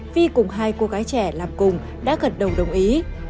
phi cùng hai cô gái trẻ làm cùng đã gật đầu đồng ý